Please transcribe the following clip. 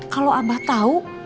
kalau abah tahu